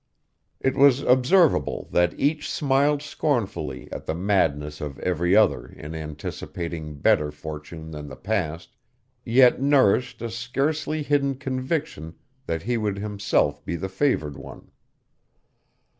It was observable that each smiled scornfully at the madness of every other in anticipating better fortune than the past, yet nourished a scarcely hidden conviction that he would himself be the favored one.